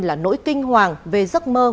là nỗi kinh hoàng về giấc mơ